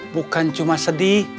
bukan cuma sedih